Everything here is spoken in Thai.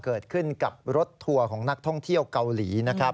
เกิดขึ้นกับรถทัวร์ของนักท่องเที่ยวเกาหลีนะครับ